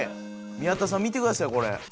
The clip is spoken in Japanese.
宮田さん見てくださいよこれ。